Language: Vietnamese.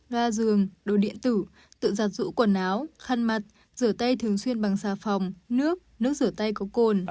ga giường đồ điện tử tự giặt rũ quần áo khăn mặt rửa tay thường xuyên bằng xà phòng nước nước rửa tay có cồn